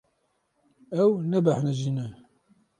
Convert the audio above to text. Ew nebêhnijîne.